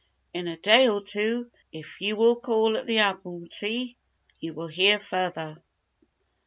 In a day or two, if you will call at the Admiralty, you will hear further."